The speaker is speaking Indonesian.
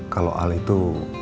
kalau al itu